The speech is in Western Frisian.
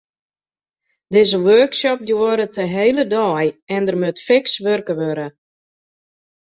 Dizze workshop duorret in hiele dei en der moat fiks wurke wurde.